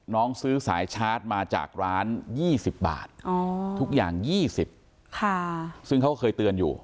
ซื้อสายชาร์จมาจากร้าน๒๐บาททุกอย่าง๒๐ซึ่งเขาก็เคยเตือนอยู่